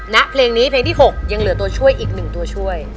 ณเพลงนี้เพลงที่๖ยังเหลือตัวช่วยอีก๑ตัวช่วย